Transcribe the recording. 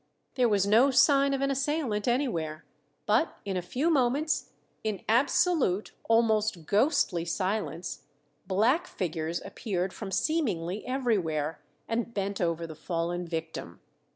There was no sign of an assailant anywhere; but in a few moments, in absolute, almost ghostly silence, black figures appeared from seemingly everywhere, and bent over the fallen victim.